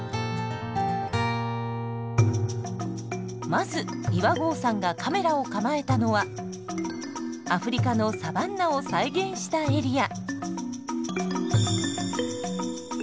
まず岩合さんがカメラを構えたのはアフリカのサバンナを再現したエリア。